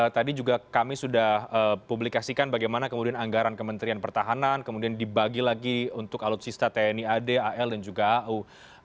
tadi juga kami sudah publikasikan bagaimana kemudian anggaran kementerian pertahanan kemudian dibagi lagi untuk alutsista tni ad al dan juga au